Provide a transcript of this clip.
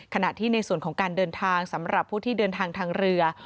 ขณะที่ในส่วนของการเดินทางสำหรับผู้ที่เดินทางทางเรือ